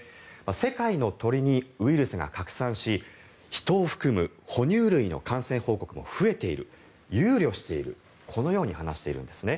世界の鳥にウイルスが拡散し人を含む哺乳類の感染報告も増えている憂慮しているこのように話しているんですね。